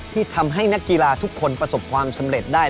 ที่ทำให้นักกีฬาทุกคนประสบความสำเร็จได้